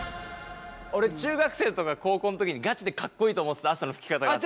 俺中学生とか高校の時にガチでかっこいいと思ってた汗のふき方があって。